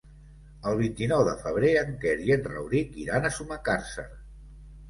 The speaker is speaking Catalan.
El vint-i-nou de febrer en Quer i en Rauric iran a Sumacàrcer.